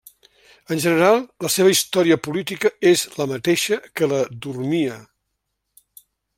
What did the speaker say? En general la seva història política és la mateixa que la d'Urmia.